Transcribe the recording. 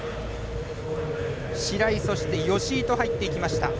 白井、吉井と入っていきました。